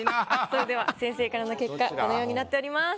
それでは先生からの結果このようになっております。